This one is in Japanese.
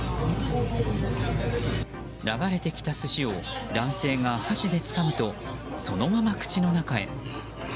流れてきた寿司を男性が箸でつかむとそのまま口の中へ。